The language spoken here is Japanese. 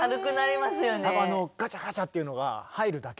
やっぱあの「ガチャガチャ」っていうのが入るだけで。